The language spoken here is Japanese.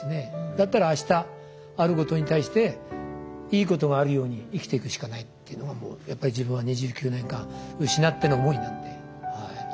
だったらあしたあることに対していいことがあるように生きていくしかないっていうのが自分は２９年間失っての思いなんで。